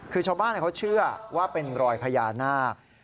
คือชาวบ้านเขาเชื่อว่าเป็นรอยพญานาค